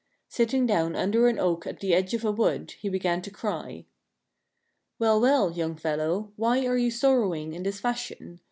Sitting down under an oak at the edge of a wood, he began to cry. " Well, well, young fellow, why are you sorrowing in this fashion?"